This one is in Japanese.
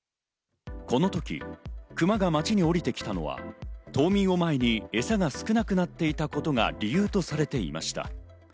このときクマが街に下りてきたのは冬眠を前にえさが少なくなっていたことが理由とされていました。